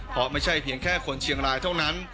เพราะไม่ใช่เพียงแค่คนเชียงรายเท่านั้น